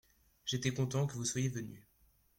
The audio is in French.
J’étais content que vous soyez venu.